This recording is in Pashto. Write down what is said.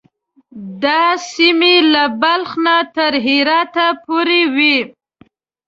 دا سیمې له بلخ نه تر هرات پورې وې.